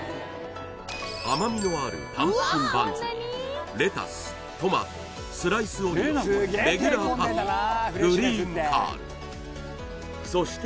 甘味のあるパンプキンバンズにレタストマトスライスオニオンレギュラーパティグリーンカールそして